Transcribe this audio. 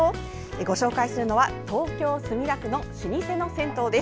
ご紹介するのは東京・墨田区の老舗の銭湯です。